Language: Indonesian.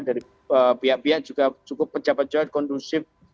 dari pihak pihak juga cukup pecah pecah kondusif